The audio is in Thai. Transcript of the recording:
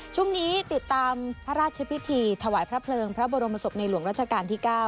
ช่วงนี้ติดตามพระราชพิธีถวายพระเพลิงพระบรมศพในหลวงราชการที่๙